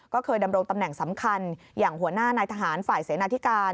ก็เคยดำรงตำแหน่งสำคัญอย่างหัวหน้านายทหารฝ่ายเสนาธิการ